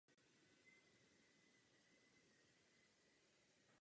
Mark žije v severním Londýně se svou ženou a dvěma dětmi.